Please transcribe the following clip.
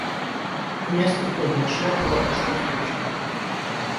Князь приподнял шляпу и отошел с дочерью.